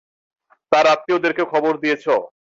তার আত্মীয়দেরকে খবর দিয়েছ?